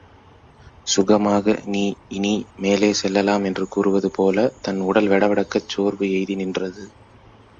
சுகமாக நீ இனி மேலே செல்லலாம் என்று கூறுவதுபோலத் தன் உடல் வெடவெடக்கச் சோர்வு எய்தி நின்றது.